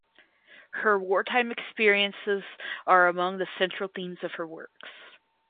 Her wartime experiences are among the central themes of her works.